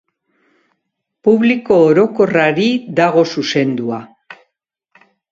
Publiko orokorrari dago zuzendua.